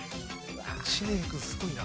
知念君すごいな。